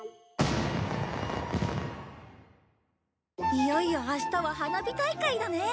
いよいよ明日は花火大会だね。